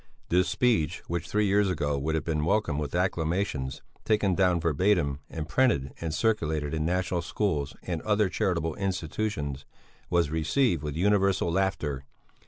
This speech which three years ago would have been welcomed with acclamations, taken down verbatim and printed and circulated in national schools and other charitable institutions, was received with universal laughter.